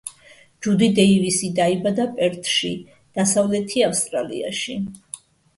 ჯუდი დეივისი დაიბადა პერთში, დასავლეთი ავსტრალიაში.